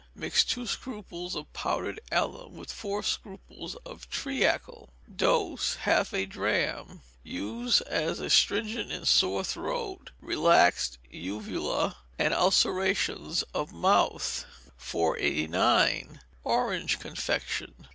Mix two scruples of powdered alum with four scruples of treacle. Dose, half a drachm. Use as astringent in sore throat, relaxed uvula, and ulcerations of mouth. 489. Orange Confection.